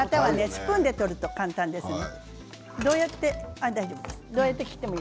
スプーンで取ると簡単ですよ。